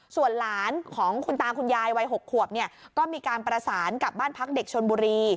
ส่วนหลานของคุณตาคุณยายวัย๖ขวบเนี่ยก็มีการประสานกับบ้านพักเด็กชนบุรี